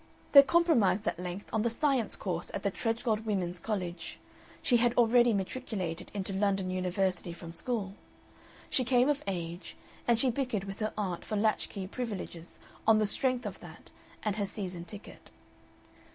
They compromised at length on the science course at the Tredgold Women's College she had already matriculated into London University from school she came of age, and she bickered with her aunt for latch key privileges on the strength of that and her season ticket.